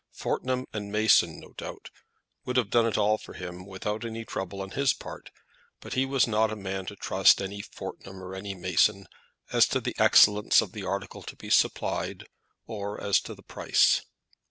Fortnum and Mason, no doubt, would have done it all for him without any trouble on his part, but he was not a man to trust any Fortnum or any Mason as to the excellence of the article to be supplied, or as to the price.